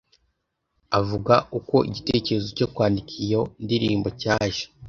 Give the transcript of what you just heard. Avuga uko igitekerezo cyo kwandika iyo ndirimbo cyaje